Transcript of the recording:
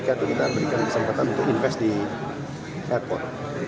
mandalay itu kita berikan kesempatan untuk investasi di lombok